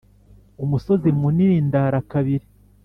umusozi munini ndara kabiri.